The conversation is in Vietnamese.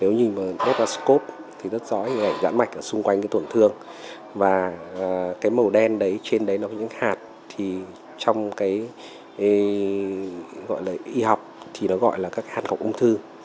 nếu nhìn vào telescope thì rất rõ ràng rãn mạch ở xung quanh cái tổn thương và cái màu đen đấy trên đấy nó có những hạt thì trong cái gọi là y học thì nó gọi là các hạt gọc ung thư